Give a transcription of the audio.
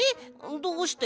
どうして？